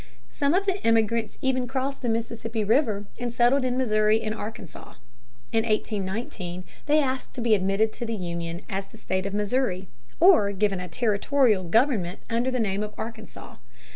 Some of the emigrants even crossed the Mississippi River and settled in Missouri and in Arkansas. In 1819 they asked to be admitted to the Union as the state of Missouri, or given a territorial government under the name of Arkansas.